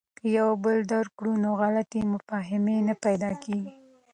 که یو بل درک کړو نو غلط فهمي نه پیدا کیږي.